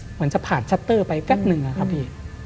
เหมือนจะผ่านชัตเตอร์ไปแป๊บหนึ่งอะครับพี่